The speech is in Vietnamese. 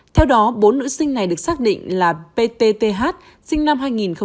theo đó bốn nữ sinh này được xác định là ptth sinh năm hai nghìn một mươi